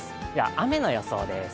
雨の予想です。